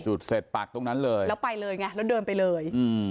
เสร็จปักตรงนั้นเลยแล้วไปเลยไงแล้วเดินไปเลยอืม